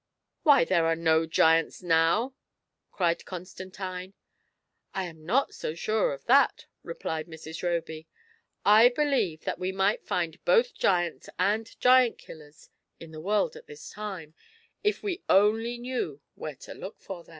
" Why, there are no giants now I" cried Conatantine, "I am not so sure of that," replied Mrs. Roby; "I believe that we might find both gianta and giant killers in the world at this time, if we only knew where to look for them."